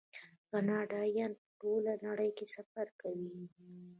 کاناډایان په ټوله نړۍ کې سفر کوي.